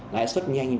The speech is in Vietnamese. lại xuất nhanh